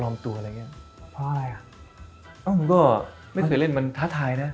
มันก็ไม่เคยเล่นมันท้าทายนะ